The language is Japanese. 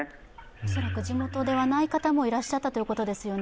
恐らく地元ではない方もいらっしゃったということですよね。